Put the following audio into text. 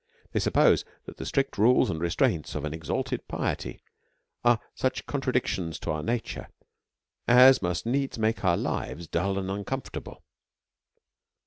They suppose that the strict rules and restraints of an explted piety, are such contradictions to our nature, as must needs make our lives dull and uncomfortable.